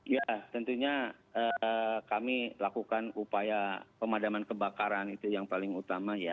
ya tentunya kami lakukan upaya pemadaman kebakaran itu yang paling utama ya